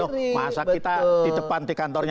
masa kita di depan kantornya menteri bisa memaksa